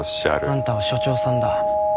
あんたは署長さんだ。